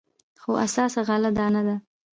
خو اساس غله دانه ده.